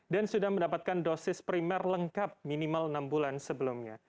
dan sudah mendapatkan dosis primer lengkap minimal enam bulan sebelumnya